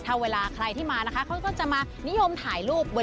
ถ้าเวลาใครที่มานะคะเขาก็จะมานิยมถ่ายรูป